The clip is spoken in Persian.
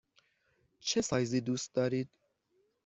چه سایزی دوست دارید؟